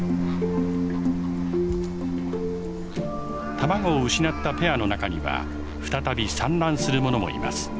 卵を失ったペアの中には再び産卵するものもいます。